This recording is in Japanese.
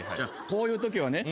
こういうときはね